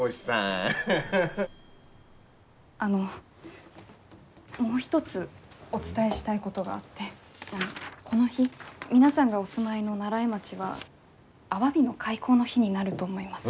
あのもう一つお伝えしたいことがあってこの日皆さんがお住まいの西風町はアワビの開口の日になると思います。